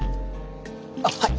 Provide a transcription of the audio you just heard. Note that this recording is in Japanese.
あっはい。